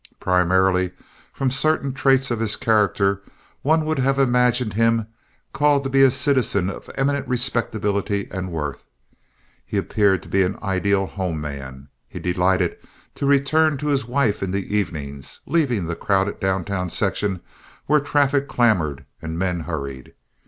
Primarily, from certain traits of his character, one would have imagined him called to be a citizen of eminent respectability and worth. He appeared to be an ideal home man. He delighted to return to his wife in the evenings, leaving the crowded downtown section where traffic clamored and men hurried.